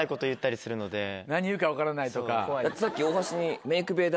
何言うか分からないとか。